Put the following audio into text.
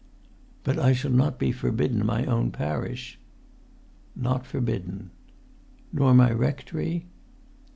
"But I shall not be forbidden my own parish?" "Not forbidden." "Nor my rectory?"